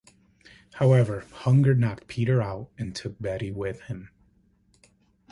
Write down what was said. However Hunger knocked Peter out and took Betty with him.